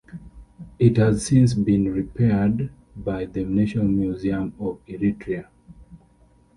It has since been repaired by the National Museum of Eritrea.